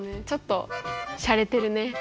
ちょっとしゃれてるね。